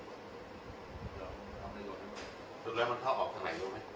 หลังจากนี้ก็ได้เห็นว่าหลังจากนี้ก็ได้เห็นว่า